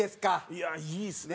いやあいいですね。